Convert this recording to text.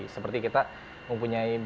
seperti kita mempunyai